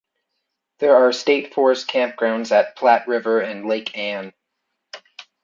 There are state forest campgrounds at Platte River and Lake Ann.